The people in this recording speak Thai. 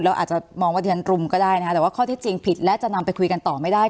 อาจจะมองว่าที่ฉันรุมก็ได้นะคะแต่ว่าข้อที่จริงผิดและจะนำไปคุยกันต่อไม่ได้